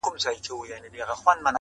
قاسم یار که ستا په سونډو مستانه سوم,